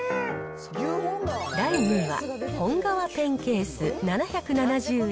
第２位は、本革ペンケース７７０円。